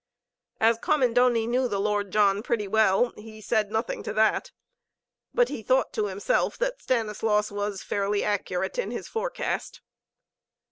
As Commendoni knew the Lord John pretty well, he said nothing to that. But he thought to himself that Stanislaus was fairly accurate in his forecast.